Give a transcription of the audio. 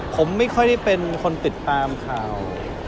ผมไม่ค่อยได้เป็นคนติดตามข่าว